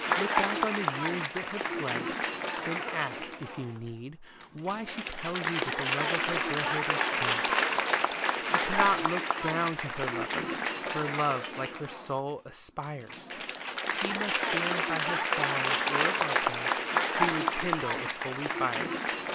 Look back on the years that have fled ; Then ask, if you need, why she tells you that the love of her girlhood is dead ! She cannot look down to her lover ; her love, like her soul, aspires ; He must stand by her side, or above her, who would kindle its holy fires.